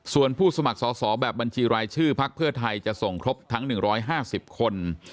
ส่วนผู้สมัครสอบแบบบัญชีรายชื่อพักเพื่อไทยจะส่งครบทั้ง๑๕๐คน